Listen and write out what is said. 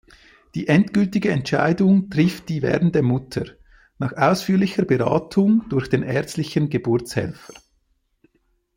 Die endgültige Entscheidung trifft die werdende Mutter, nach ausführlicher Beratung durch den ärztlichen Geburtshelfer.